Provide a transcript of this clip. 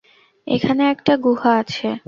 এখানে একটা গুহা আছে।